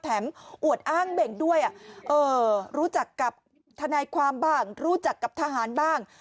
อวดอ้างเบ่งด้วยรู้จักกับทนายความบ้างรู้จักกับทหารบ้าง